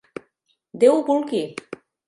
Déu ho vulgui!